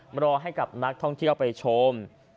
มารอให้กับนักท่องเที่ยวไปชม